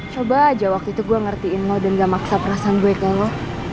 coba aja waktu itu gue ngertiin lo dan gak maksa perasaan gue kayak lo